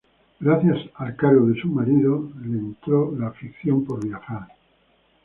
Gracias al cargo de su marido le entró la afición por viajar.